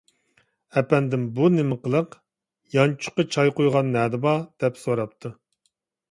— ئەپەندىم، بۇ نېمە قىلىق، يانچۇققا چاي قۇيغان نەدە بار؟ — دەپ سوراپتۇ.